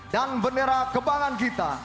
dan bendera kebangan kita